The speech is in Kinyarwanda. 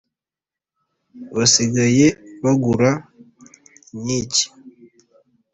basigaye begura inkike